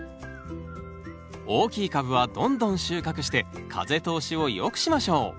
大きい株はどんどん収穫して風通しを良くしましょう。